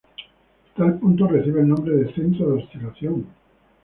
Tal punto recibe el nombre de centro de oscilación.